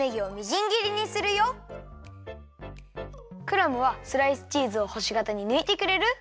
クラムはスライスチーズをほしがたにぬいてくれる？